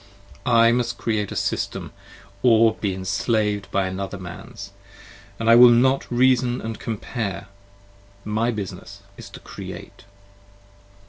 20 I must Create a System, or be enslav'd by another Man's I will not Reason & Compare: my business is to Create.